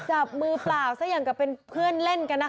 จับมือเปล่าซะอย่างกับเป็นเพื่อนเล่นกันนะคะ